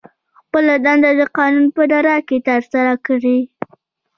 خپله دنده د قانون په رڼا کې ترسره کړي.